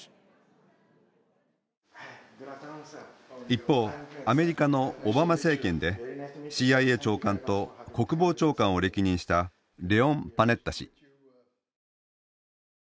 一方アメリカのオバマ政権でＣＩＡ長官と国防長官を歴任したレオン・パネッタ氏。